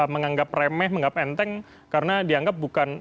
menganggap remeh menganggap enteng karena dianggap bukan